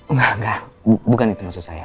enggak enggak bukan itu maksud saya